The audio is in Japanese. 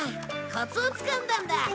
コツをつかんだんだ。